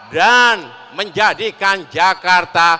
dan menjadikan jakarta